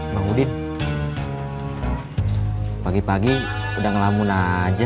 bang udin pagi pagi udah ngelamun aja